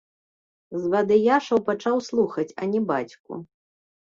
Звадыяшаў пачаў слухаць, а не бацьку.